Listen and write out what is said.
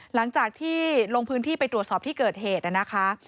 หลังจากที่ลงพื้นที่ไปตรวจสอบที่เกิดเหตุนะคะ